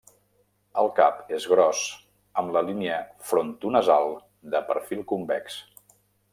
El cap és gros, amb la línia frontonasal de perfil convex.